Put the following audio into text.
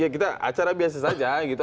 ya kita acara biasa saja gitu